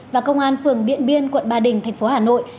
và công an phường điện biên quận ba đình tp hà nội